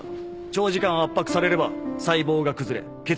長時間圧迫されれば細胞が崩れ血液が濁る。